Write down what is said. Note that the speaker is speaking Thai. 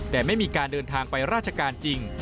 แต่ไม่มีการเดินทางไปราชการจริง